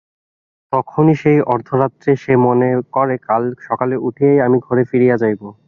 তখনই সেই অর্ধরাত্রে সে মনে করে, কাল সকালে উঠিয়াই আমি ঘরে ফিরিয়া যাইব।